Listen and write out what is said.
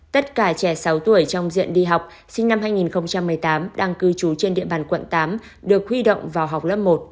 tất cả trẻ sáu tuổi trong diện đi học sinh năm hai nghìn một mươi tám đang cư trú trên địa bàn quận tám được huy động vào học lớp một